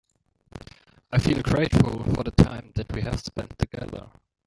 I feel grateful for the time that we have spend together.